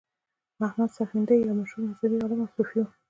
احمد سرهندي یو مشهور مذهبي عالم او صوفي و.